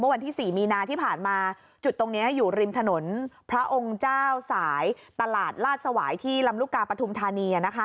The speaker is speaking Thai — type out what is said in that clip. วันที่๔มีนาที่ผ่านมาจุดตรงนี้อยู่ริมถนนพระองค์เจ้าสายตลาดลาดสวายที่ลำลูกกาปฐุมธานี